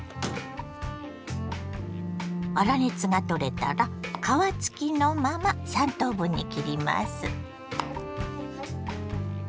粗熱が取れたら皮付きのまま３等分に切ります。